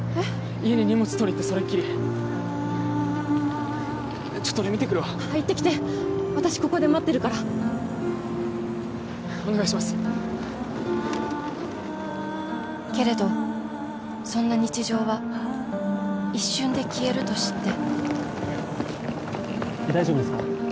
家に荷物取り行ってそれっきりちょっと俺見てくるわ行ってきて私ここで待ってるからお願いしますけれどそんな日常は一瞬で消えると知って大丈夫ですか？